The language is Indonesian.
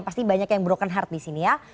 pasti banyak yang broken heart di sini ya